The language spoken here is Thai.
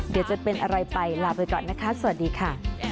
เดี๋ยวจะเป็นอะไรไปลาไปก่อนนะคะสวัสดีค่ะ